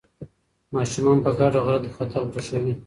ماشومان په ګډه غره ته ختل خوښوي.